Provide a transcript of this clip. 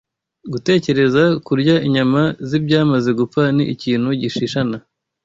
Gutekereza kurya inyama z’ibyamaze gupfa ni ikintu gishishana